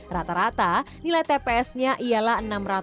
rata rata nilai tps nya ialah enam ratus satu enam ratus delapan puluh tiga